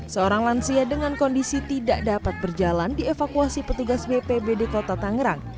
seorang lansia dengan kondisi tidak dapat berjalan dievakuasi petugas bpbd kota tangerang